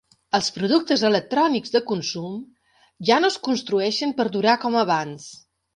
Els productes electrònics de consum ja no es construeixen per durar com abans.